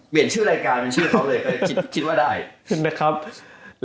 เปลี่ยนชื่อรายการเป็นชื่อเขาเลยค่ะคิดว่าได้